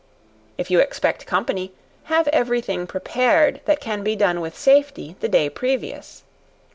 If you expect company, have every thing prepared, that can be done with safety, the day previous.